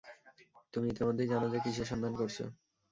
তুমি ইতোমধ্যেই জানো যে কিসের সন্ধান করছ!